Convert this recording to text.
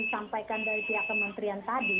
disampaikan dari pihak kementerian tadi